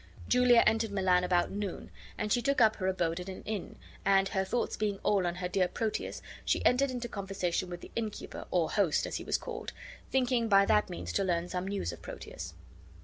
Julia entered Milan about noon, and she took up her abode at an inn; and, her thoughts being all on her dear Proteus, she entered into conversation with the innkeeper or host, as he was called thinking by that means to learn some news of Proteus.